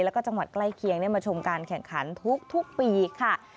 แล้วก็จังหวัดใกล้เคียงได้มาชมการแข่งขันทุกปีค่ะ